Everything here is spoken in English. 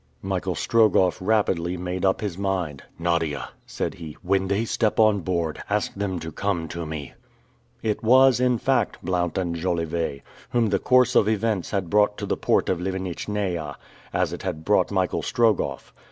Michael Strogoff rapidly made up his mind. "Nadia," said he, "when they step on board, ask them to come to me!" It was, in fact, Blount and Jolivet, whom the course of events had brought to the port of Livenitchnaia, as it had brought Michael Strogoff.